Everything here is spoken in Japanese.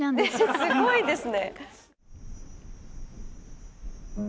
すごいですね。